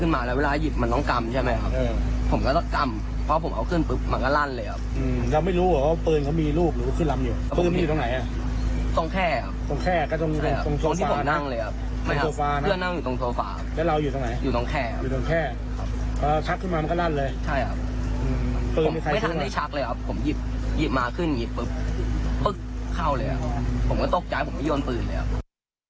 หลังเกิดเหตุการณ์ที่เกิดขึ้นผมก็ตกใจผมไม่โยนปืนเลยค่ะ